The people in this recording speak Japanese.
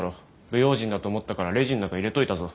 不用心だと思ったからレジの中入れといたぞ。